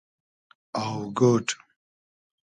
آۆگۉۮ